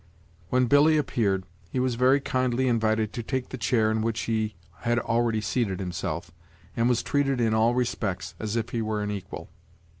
When Billy appeared, he was very kindly invited to take the chair in which he had already seated himself, and was treated in all respects as if he were an equal.